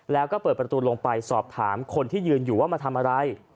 แล้วก็เปิดประตูลงไปสอบถามคนที่ยืนอยู่ว่ามาทำอะไร